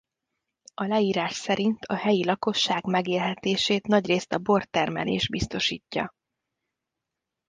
A leírás szerint a helyi lakosság megélhetését nagyrészt a bortermelés biztosítja.